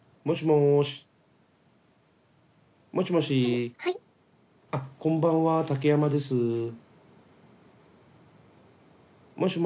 もしもし。